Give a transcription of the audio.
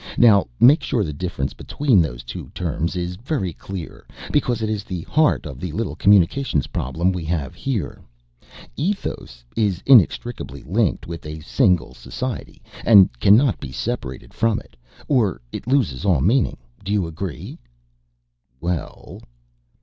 Now make sure the difference between those two terms is very clear, because it is the heart of the little communications problem we have here. Ethos is inextricably linked with a single society and cannot be separated from it, or it loses all meaning. Do you agree?" "Well...."